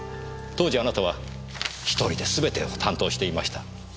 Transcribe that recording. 当時あなたは一人ですべてを担当していました。